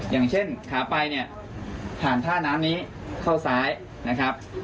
อย่างเช่นขาไปเนี่ยผ่านท่าน้ำนี้เข้าซ้ายนะครับ